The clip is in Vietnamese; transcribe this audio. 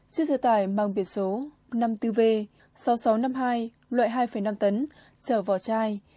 chiếc xe tải mang biển số năm mươi bốn v sáu nghìn sáu trăm năm mươi hai loại hai năm tấn chở vỏ chai